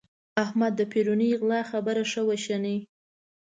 احمده! د پرونۍ غلا خبره ښه وشنئ.